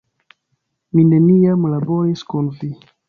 Mi neniam laboris kun vi!